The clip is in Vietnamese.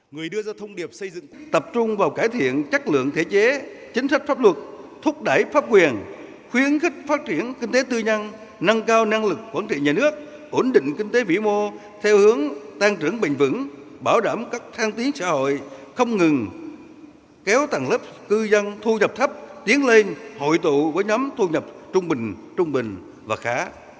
người đưa ra thông điệp xây dựng tập trung vào cải thiện chắc lượng thể chế chính sách pháp luật thúc đẩy pháp quyền khuyến khích phát triển kinh tế tư nhân nâng cao năng lực quản trị nhà nước ổn định kinh tế vĩ mô theo hướng tăng trưởng bình vững bảo đảm các thang tiến xã hội không ngừng kéo tầng lớp cư dân thu nhập thấp tiến lên hội tụ với nhóm thu nhập trung bình trung bình và khá